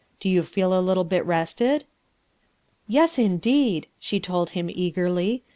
Do you feel a little bit rested?" "Yes, indeed," she told Mm eagerly.